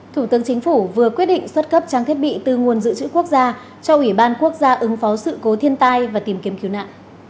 thủ tướng chính phủ vừa quyết định xuất cấp trang thiết bị từ nguồn dự trữ quốc gia cho ủy ban quốc gia ứng phó sự cố thiên tai và tìm kiếm cứu nạn